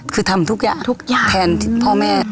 คือทำทุกอย่างแทนพ่อแม่